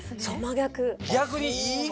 逆に。